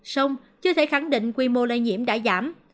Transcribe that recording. xong chưa thể khẳng định quy mô lây nhiễm đã giảm